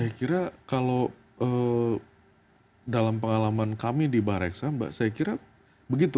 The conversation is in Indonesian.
saya kira kalau dalam pengalaman kami di bareksa mbak saya kira begitu